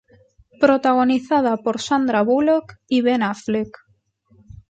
Protagonizada por Sandra Bullock y Ben Affleck.